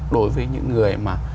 đối với những người mà